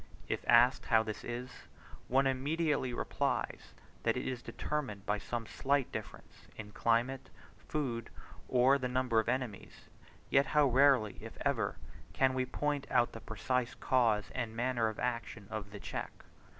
If asked how this is, one immediately replies that it is determined by some slight difference, in climate, food, or the number of enemies: yet how rarely, if ever, we can point out the precise cause and manner of action of the check!